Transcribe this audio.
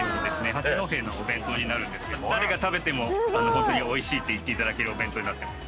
八戸のお弁当になるんですけど誰が食べてもホントにおいしいって言っていただけるお弁当になってます。